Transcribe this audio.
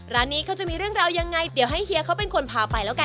ร้านนี้เขาจะมีเรื่องราวยังไงเดี๋ยวให้เฮียเขาเป็นคนพาไปแล้วกัน